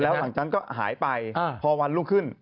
หลังจากนั้นก็หายไปพอวันรุ่งขึ้น